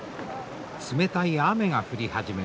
冷たい雨が降り始めました。